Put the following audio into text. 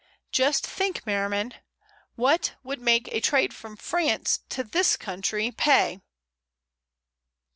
Just think, Merriman. What would make a trade from France to this country pay?"